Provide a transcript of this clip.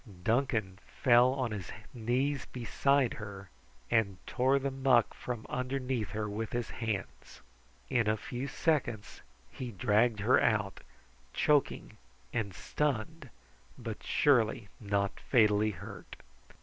Duncan fell on his knees beside her and tore the muck from underneath her with his hands. In a few seconds he dragged her out, choking and stunned, but surely not fatally hurt.